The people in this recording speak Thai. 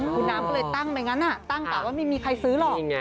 คุณน้ำก็เลยตั้งไปงั้นตั้งกะว่าไม่มีใครซื้อหรอก